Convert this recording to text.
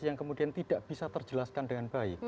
yang kemudian tidak bisa terjelaskan dengan baik